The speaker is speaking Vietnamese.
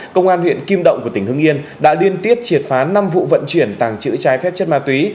công an huyện kim động của tỉnh hưng yên đã liên tiếp triệt phá năm vụ vận chuyển tàng trữ trái phép chất ma túy